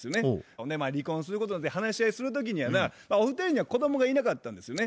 ほんでまあ離婚することで話し合いする時にやなお二人には子供がいなかったんですよね。